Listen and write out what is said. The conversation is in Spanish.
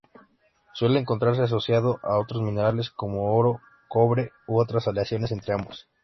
Suele encontrarse asociado a otros minerales como: oro, cobre u otras aleaciones entre ambos.